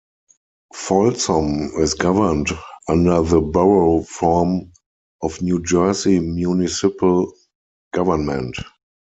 Folsom is governed under the Borough form of New Jersey municipal government.